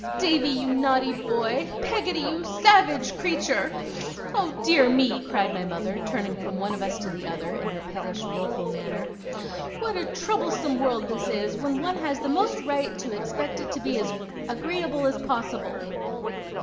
Davy, you naughty boy! Peggotty, you savage creature! Oh, dear me!' cried my mother, turning from one of us to the other, in her pettish wilful manner, 'what a troublesome world this is, when one has the most right to expect it to be as agreeable as possible!